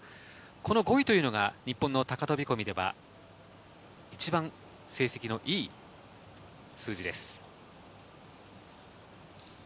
この５位が日本の高飛び込みでは一番成績の良い数字です。